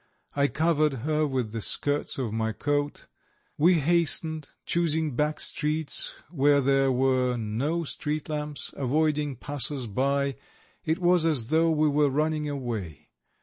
I covered her with the skirts of my coat; we hastened, choosing back streets where there were no street lamps, avoiding passers by; it was as though we were running away.